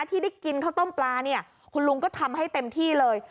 ที่ได้กินข้าวต้มปลาเนี่ยคุณลุงก็ทำให้เต็มที่เลย